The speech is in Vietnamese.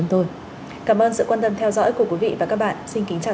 người làm biển bao giờ cũng thế đoàn kết sẵn sàng giúp nhau